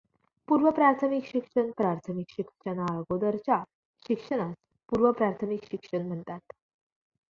पूर्व प्राथमिक शिक्षण, प्राथमिक शिक्षणाअगोदरच्या शिक्षणास पूर्व प्राथमिक शिक्षण म्हणतात.